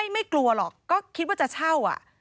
ไม่กลัวหรอกก็คิดว่าจะเช่า